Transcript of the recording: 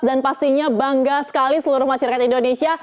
dan pastinya bangga sekali seluruh masyarakat indonesia